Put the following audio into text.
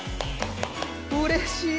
うれしい！